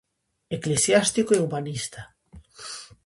Eclesiástico e humanista.